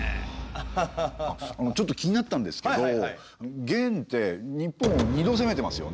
あっちょっと気になったんですけど元って日本を２度攻めてますよね。